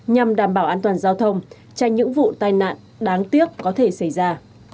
nhằm đảm bảo an toàn giao thông tránh những vụ tai nạn đáng tiếc có thể xảy ra